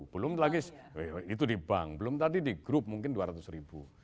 belum lagi itu di bank belum tadi di grup mungkin dua ratus ribu